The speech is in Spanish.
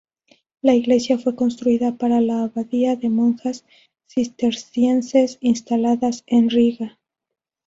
La iglesia fue construida para la abadía de monjas cistercienses instaladas en Riga.